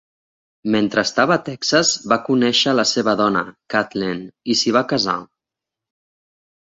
Mentre estava a Texas va conèixer la seva dona, Kathleen, i s'hi va casar.